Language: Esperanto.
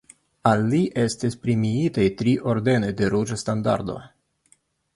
Al li estis premiitaj tri Ordenoj de Ruĝa Standardo.